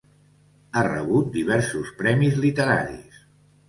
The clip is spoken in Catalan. Ha rebut diversos premis literaris.